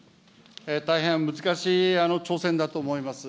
大変難しい挑戦だと思います。